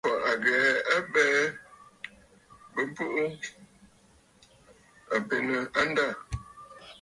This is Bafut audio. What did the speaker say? Kwèʼefɔ̀ à ghɛ̀ɛ a abɛɛ bɨ̀bùʼù benə̀ a ndâ.